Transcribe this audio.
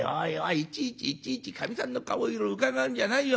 いちいちいちいちかみさんの顔色うかがうんじゃないよ